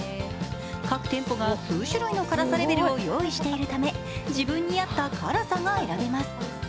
各店舗が数種類の辛さレベルを用意しているため自分に合った辛さが選べます。